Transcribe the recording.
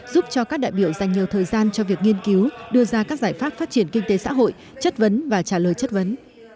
giúp cho các đại biểu dành nhiều thời gian cho việc nghiên cứu đưa ra các giải pháp phát triển kinh tế xã hội chất vấn và trả lời chất vấn